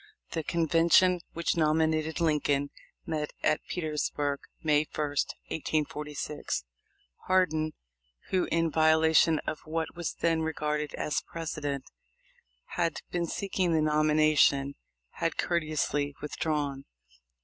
The convention which nominated Lincoln met at Petersburg May 1, 1846. Hardin, who, in violation of what was then regarded as precedent, had been seeking the nomination, had courteously withdrawn.